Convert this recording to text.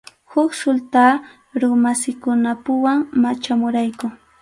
Huk sultarumasikunapuwan machamurayku.